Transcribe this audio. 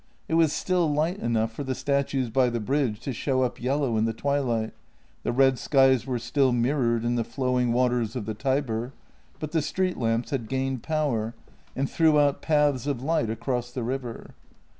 It was still light enough for the statues by the bridge to show up yellow in the twilight, the red skies were still mirrored in the flowing waters of the Tiber, but the street lamps had gained power, and threw out paths of light across the river.